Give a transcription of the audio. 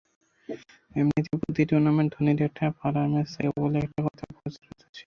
এমনিতে প্রতি টুর্নামেন্টে ধোনির একটা ফাঁড়ার ম্যাচ থাকে বলে একটা কথা প্রচলিত আছে।